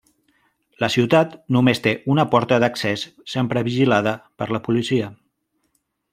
La ciutat només té una porta d'accés sempre vigilada per la policia.